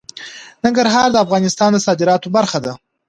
ننګرهار د افغانستان د صادراتو برخه ده.